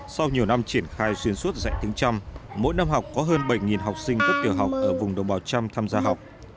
sau nhiều năm triển khai xuyên suốt dạy tiếng trăm mỗi năm học có hơn bảy học sinh cấp tiểu học ở vùng đồng bào trăm tham gia học